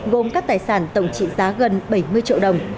gồm các tài sản tổng trị giá gần bảy mươi triệu đồng